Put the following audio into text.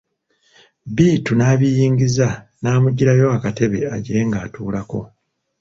Bittu n'abiyingiza n'amujjirayo akatebe agire ng'atulako.